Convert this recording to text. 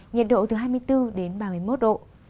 nhiệt độ từ hai mươi bốn đến ba mươi một độ